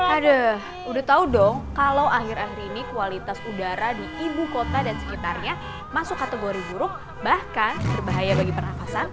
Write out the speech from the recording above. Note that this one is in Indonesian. aduh udah tau dong kalau akhir akhir ini kualitas udara di ibu kota dan sekitarnya masuk kategori buruk bahkan berbahaya bagi pernafasan